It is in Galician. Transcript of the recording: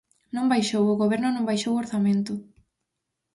Non baixou, o Goberno non baixou o orzamento.